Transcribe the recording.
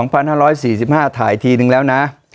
ปี๒๕๔๕ถ่ายทีหนึ่งแล้วนะ